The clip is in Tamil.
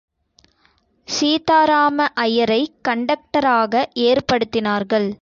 சீதாராம ஐயரைக் கண்டக்டராக ஏற்படுத்தினார்கள்.